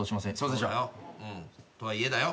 とはいえだよ。